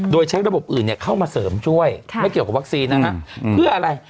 โดยใช้ระบบอื่นเข้ามาเสริมช่วยไม่เกี่ยวกับวัคซีนนะฮะเพื่ออะไร